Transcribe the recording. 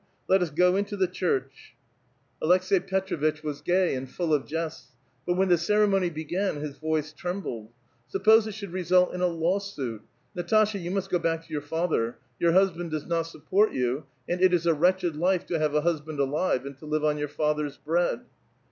" Let us go into the church." Aleks^i Petr6 A VITAL QUESTION. 137 vitch was gay and full of jests ; but when the ceremony be gan, his voice trembled, '' 8upiK)se it should result in a law suit? Natasha, you must go back to 3'our father ; your hus band does not support j'ou, and it is a wretched life to liave a husband alive, and to live on your father's bread